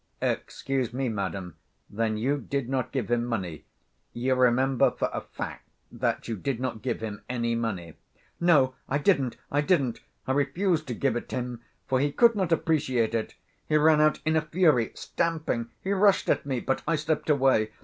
"Excuse me, madam, then you did not give him money? You remember for a fact that you did not give him any money?" "No, I didn't, I didn't! I refused to give it him, for he could not appreciate it. He ran out in a fury, stamping. He rushed at me, but I slipped away....